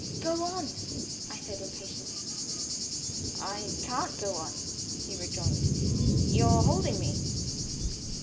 "Go on!" I said impatiently. "I can't go on," he rejoined. "You're holding me."